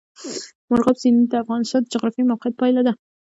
مورغاب سیند د افغانستان د جغرافیایي موقیعت پایله ده.